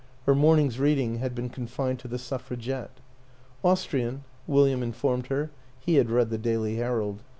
(Her morning's reading had been con fined to The Suffragette.) " Austrian," William informed her. (He had read the Daily Herald.)